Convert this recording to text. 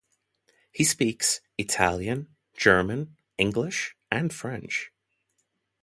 He speaks Italian, German, English and French.